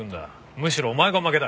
むしろお前がオマケだ。